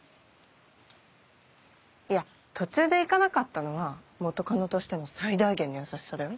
いや途中で行かなかったのは元カノとしての最大限の優しさだよ。